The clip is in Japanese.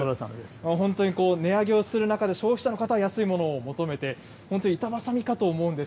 本当に値上げをする中で、消費者の方は安いものを求めて、本当に板挟みかと思うんです